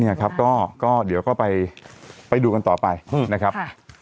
เนี่ยครับก็เดี๋ยวก็ไปดูกันต่อไปนะครับ